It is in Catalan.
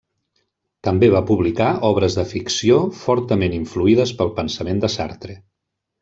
També va publicar obres de ficció, fortament influïdes pel pensament de Sartre.